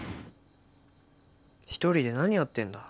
一人で何やってんだ？